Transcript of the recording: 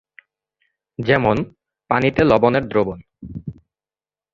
যেমন -পানিতে লবণের দ্রবণ।